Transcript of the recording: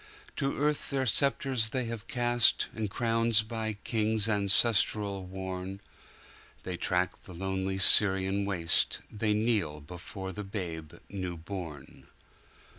To earth their sceptres they have cast, And crowns by kings ancestral worn; They track the lonely Syrian waste; They kneel before the Babe new born.